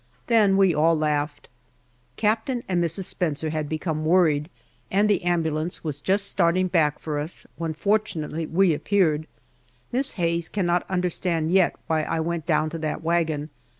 Then we all laughed! Captain and Mrs. Spencer had become worried, and the ambulance was just starting back for us when fortunately we appeared. Miss Hayes cannot understand yet why I went down to that wagon.